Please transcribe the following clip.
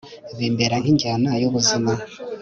bimbere nk'injyana y'ubuzima